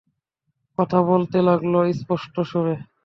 কথা বলতে লাগল স্পষ্ট স্বরে।